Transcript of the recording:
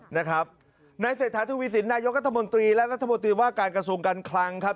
นะครับในเสร็จทางทฤวิสินนายกุศมนตรีและนักโรยกาลกระทรวงการคลังครับ